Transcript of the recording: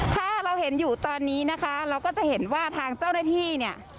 ถ้าเราเห็นอยู่ตอนนี้นะคะเราก็จะเห็นว่าทางเจ้าหน้าที่เนี่ย